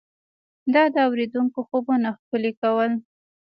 دا د اورېدونکو خوبونه ښکلي کول.